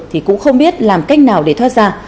thì cũng không biết làm cách nào để thoát ra